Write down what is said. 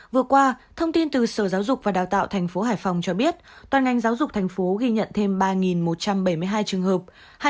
vừa qua thông tin từ sở giáo dục và đào tạo tp hải phòng cho biết toàn ngành giáo dục thành phố ghi nhận thêm ba một trăm bảy mươi hai trường hợp